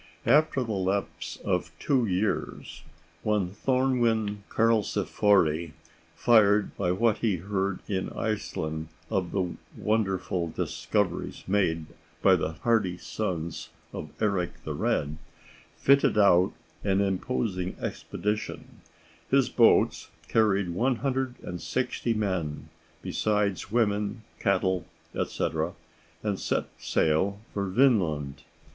After the lapse of two years, one Thorfinn Karlsifori, fired by what he heard in Iceland of the wonderful discoveries made by the hardy sons of Eric the Red, fitted out an imposing expedition, his boats carrying one hundred and sixty men, besides women, cattle, etc., and set sail for Vinland.